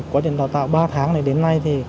quá trình đào tạo ba tháng này đến nay